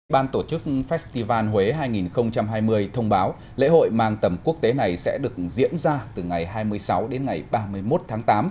ban tổ chức festival huế hai nghìn hai mươi thông báo lễ hội mang tầm quốc tế này sẽ được diễn ra từ ngày hai mươi sáu đến ngày ba mươi một tháng tám